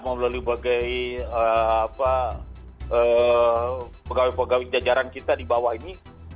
melalui bagai pegawai pegawai jajaran kita di bawah ini